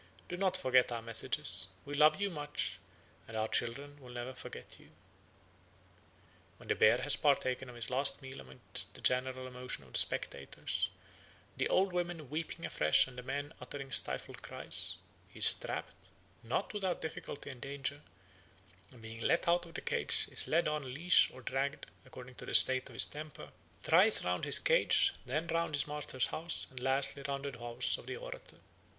Do not forget our messages, we love you much, and our children will never forget you." When the bear has partaken of his last meal amid the general emotion of the spectators, the old women weeping afresh and the men uttering stifled cries, he is strapped, not without difficulty and danger, and being let out of the cage is led on leash or dragged, according to the state of his temper, thrice round his cage, then round his master's house, and lastly round the house of the orator.